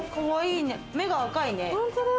目が赤いね。